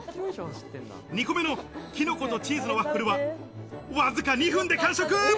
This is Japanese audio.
２個目のキノコとチーズのワッフルはわずか２分で完食。